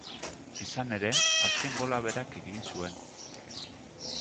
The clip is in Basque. Izan ere, azken gola berak egin zuen.